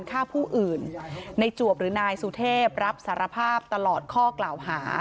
ฆ่าผู้อื่นในจวบหรือนายสุเทพรับสารภาพตลอดข้อกล่าวหา